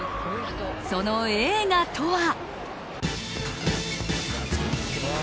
その映画とは。